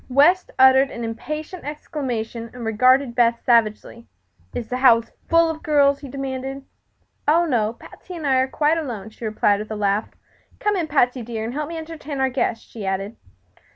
West uttered an impatient exclamation and regarded Beth savagely. "Is the house full of girls?" he demanded. "Oh, no; Patsy and I are quite alone," she replied, with a laugh. "Come in, Patsy dear, and help me to entertain our guest," she added.